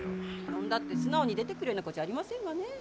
呼んだって素直に出てくるような子じゃありませんがねえ。